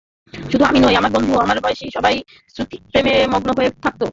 শুধু আমি নই, আমার বন্ধু, আমার বয়সী—সবাই সুচিত্রার প্রেমে মগ্ন হয়ে থাকত।